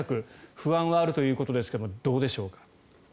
不安はあるということですがどうでしょうか？